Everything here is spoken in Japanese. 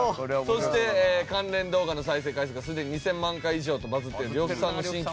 そして関連動画の再生回数がすでに２０００万回以上とバズっている呂布さんの新企画。